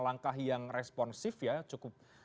langkah yang responsif ya cukup